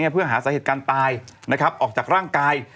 เพื่อหาสาเหตุการณ์ตายออกจากร่างกาย